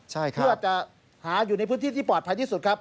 เพื่อจะหาอยู่ในพื้นที่ที่ปลอดภัยที่สุดครับ